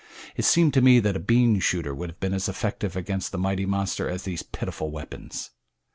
It seemed to me that a bean shooter would have been as effective against the mighty monster as these pitiful weapons.